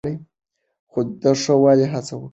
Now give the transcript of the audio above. خو د ښه والي هڅه وکړئ.